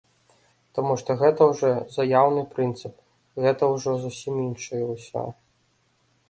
Таму што гэта ўжо заяўны прынцып, гэта ўжо зусім іншае ўсё.